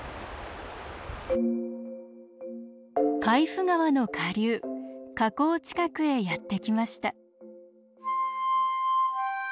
海部川の下流河口近くへやって来ました。